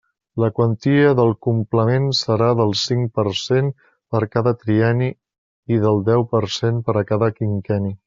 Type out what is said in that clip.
La quantia del complement serà del cinc per cent per cada trienni i del deu per cent per a cada quinquenni.